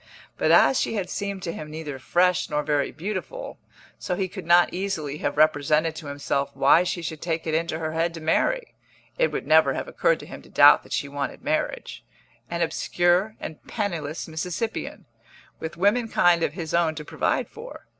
But as she had seemed to him neither very fresh nor very beautiful, so he could not easily have represented to himself why she should take it into her head to marry (it would never have occurred to him to doubt that she wanted marriage) an obscure and penniless Mississippian, with womenkind of his own to provide for.